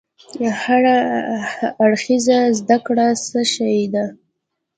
هر اړخيزه زده کړه څه شی ده؟